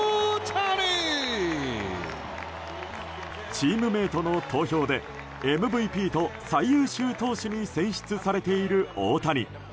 チームメートの投票でＭＶＰと最優秀投手に選出されている大谷。